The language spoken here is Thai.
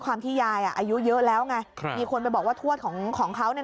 ความที่ยายอายุเยอะแล้วไงมีคนไปบอกว่าทวดของเขาเนี่ย